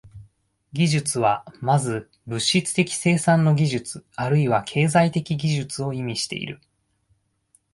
技術は先ず物質的生産の技術あるいは経済的技術を意味している。